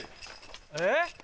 えっ？